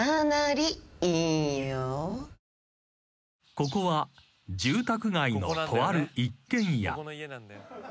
［ここは住宅街のとある一軒家］